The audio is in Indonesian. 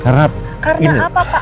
karena apa pak